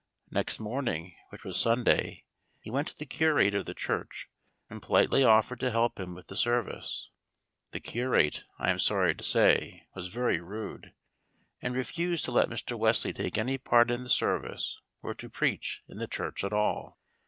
Next morning, which was Sunday, he went to the curate of the church and politely offered to help him with the service. The curate, I am sorry to say, was very rude, and refused to let Mr. Wesley take any part in the service or to preach in the church at all.